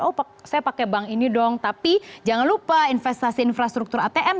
oh saya pakai bank ini dong tapi jangan lupa investasi infrastruktur atm